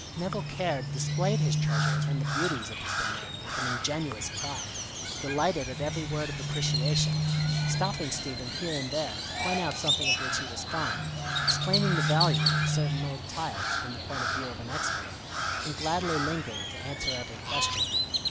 Nevill Caird displayed his treasures and the beauties of his domain with an ingenuous pride, delighted at every word of appreciation, stopping Stephen here and there to point out something of which he was fond, explaining the value of certain old tiles from the point of view of an expert, and gladly lingering to answer every question.